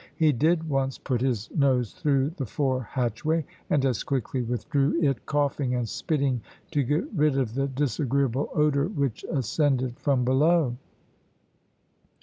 He did once put his nose through the fore hatchway, and as quickly withdrew it, coughing and spitting to get rid of the disagreeable odour which ascended from below.